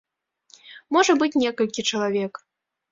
Можа быць, некалькі чалавек.